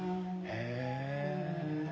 へえ。